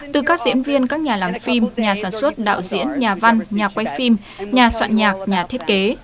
từ các diễn viên các nhà làm phim nhà sản xuất đạo diễn nhà văn nhà quay phim nhà soạn nhạc nhà thiết kế